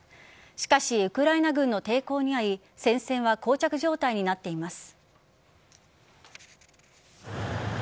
しかし、ウクライナ軍の抵抗に遭い戦線は膠着状態になっています。